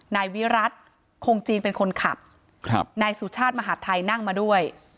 นายวิรัติคงจีนเป็นคนขับครับนายสุชาติมหาดไทยนั่งมาด้วย